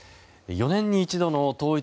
４年に一度の統一